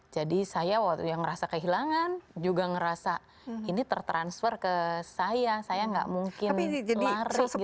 jadi saya waktu itu ngerasa kehilangan juga ngerasa ini tertransfer ke saya saya gak mungkin lari gitu dari sini